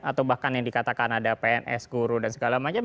atau bahkan yang dikatakan ada pns guru dan segala macam